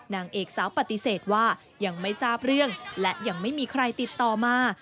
นางเอกสาวปฏิเสธว่ายังไม่ทราบเรื่องและยังไม่มีใครติดต่อมา